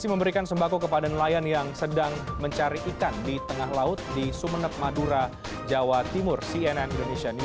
terima kasih banyak pak menteri